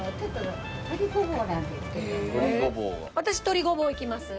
私とりごぼういきます。